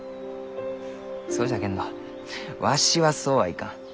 そうじゃけんどわしはそうはいかん。